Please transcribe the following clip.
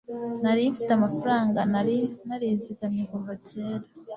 narimfite Amafaranga nari narizigamiye kuva kera